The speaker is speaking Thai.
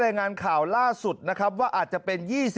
รายงานข่าวล่าสุดนะครับว่าอาจจะเป็น๒๐